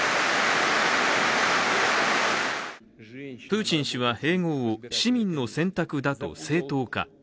プーチン氏は併合を、市民の選択だと正当化。